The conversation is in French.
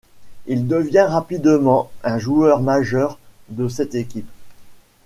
Il devient rapidement un joueur majeur de cette équipe.